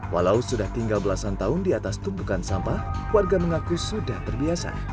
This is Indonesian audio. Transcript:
walau sudah tiga belas an tahun di atas tumpukan sampah warga mengaku sudah terbiasa